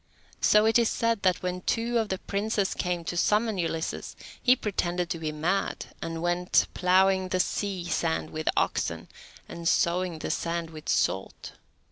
So it is said that when two of the princes came to summon Ulysses, he pretended to be mad, and went ploughing the sea sand with oxen, and sowing the sand with salt.